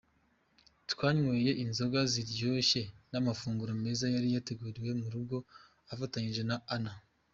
Twanyweye inzoga ziryoshye n’amafunguro meza yari yateguriye mu rugo afatanyije na Anna.